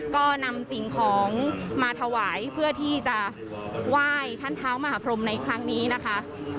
ก็นำสิ่งของมาถวายเพื่อที่จะไหว้ท่านเท้ามหาพรมในครั้งนี้นะคะ